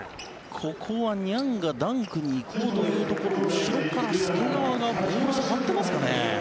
ここはニャンがダンクに行こうというところを後ろから介川がボールに触ってますかね。